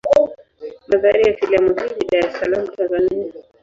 Mandhari ya filamu hii ni Dar es Salaam Tanzania.